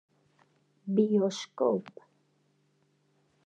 Bioskoop.